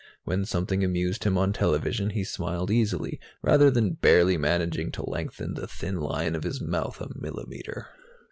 When something amused him on television, he smiled easily, rather than barely managing to lengthen the thin line of his mouth a millimeter.